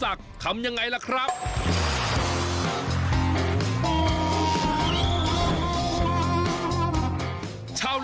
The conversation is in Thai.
วันนี้พาลงใต้สุดไปดูวิธีของชาวปักใต้อาชีพชาวเล่น